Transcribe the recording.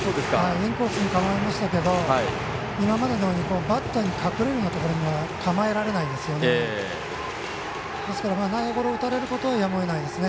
インコースに構えましたけど今までのようにバッターに隠れるところには構えられないですね。